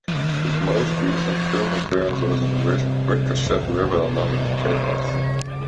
His most recent film appearance was in "Ricochet River", along with Kate Hudson.